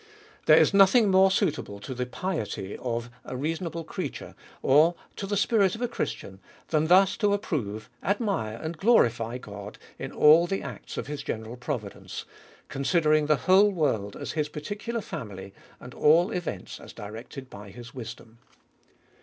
There is nothing more suitable to the piety of a reasonable creature, or the spirit of a Christian, than thus to approve, admire, and glorify God in all the acts of his general providence : considering the whole world as his particular family, and all events as directed by his wisdom.